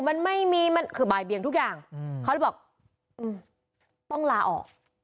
มันไม่มีมันคือบ่ายเบียงทุกอย่างเขาเลยบอกต้องลาออก